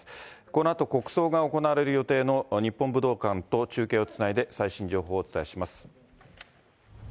このあと国葬が行われる予定の日本武道館と中継をつないで、最新情報をお伝えします。